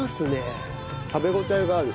食べ応えがある。